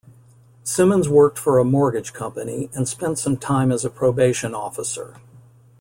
Simmons worked for a mortgage company and spent some time as a probation officer.